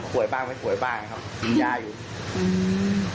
ผ่วยบ้างไหมผ่วยบ้างครับมียาอยู่